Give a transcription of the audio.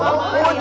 mau sama omah